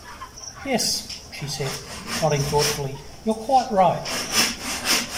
"Yes," she said, nodding thoughtfully, "you're quite right."